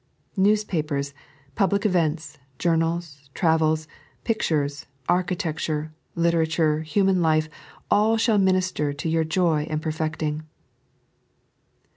Newspapers, public events, journals, travels, pictures, architecture, literature, human life— all shall minister to your joy and perfecting.